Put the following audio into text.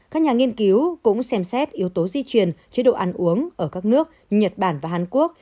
các nhà nghiên cứu cũng xem xét yếu tố di truyền chế độ ăn uống ở các nước nhật bản và hàn quốc